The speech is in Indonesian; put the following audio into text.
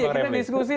iya kita diskusi lah